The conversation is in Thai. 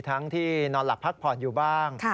มีโดยมี